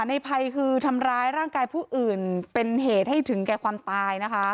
ในภัยคือทำร้ายร่างกายผู้อื่นเป็นเหตุให้ถึงแก่ความตายนะคะ